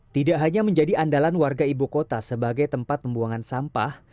tidak hanya menjadi andalan warga ibu kota sebagai tempat pembuangan sampah